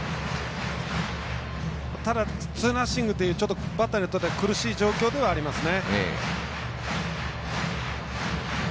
ただツーナッシングというバッターにとっては苦しい状況ではありますｎ。